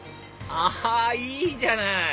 あいいじゃない！